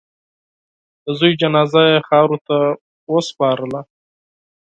د زوی جنازه یې خاورو ته وسپارله.